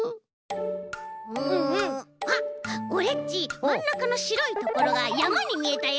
うんあっオレっちまんなかのしろいところがやまにみえたよ。